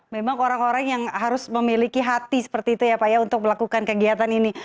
memang orang orang yang harus memiliki hati seperti itu ya pak ya untuk melakukan kegiatan ini